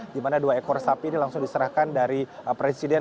di mana dua ekor sapi ini langsung diserahkan dari presiden